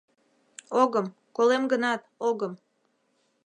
— Огым, колем гынат, огым.